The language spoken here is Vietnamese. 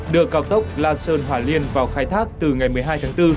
đưa cao tốc la sơn hòa liên vào khai thác từ ngày một mươi hai tháng bốn